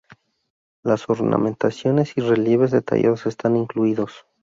Las ornamentaciones y relieves detallados están incluidos.